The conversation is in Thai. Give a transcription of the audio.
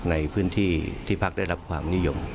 ในพื้นที่ที่พักธ์ได้รับความนิยมนะครับ